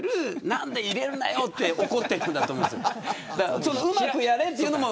何で、入れんなよと怒っているんだと思うんです。